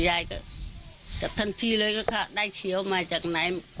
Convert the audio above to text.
ยายก็จับทันทีเลยก็ค่ะได้เขียวมาจากไหน